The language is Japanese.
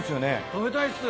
食べたいです。